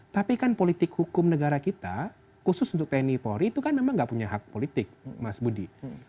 tapi kan politik hukum negara kita khusus untuk tni polri itu kan memang nggak punya hak politik mas budi